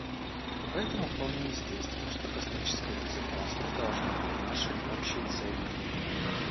Поэтому вполне естественно, что космическая безопасность должна быть нашей общей целью.